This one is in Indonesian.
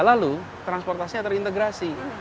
lalu transportasinya terintegrasi